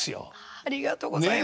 ありがとうございます。